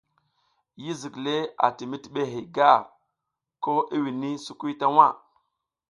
Yi zik le a ti mizlihey gar ko i wini sukuy ta waʼ.